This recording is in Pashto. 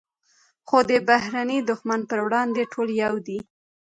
خو د بهرني دښمن پر وړاندې ټول یو دي.